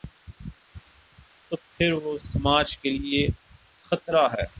تو پھر وہ سماج کے لیے خطرہ ہے۔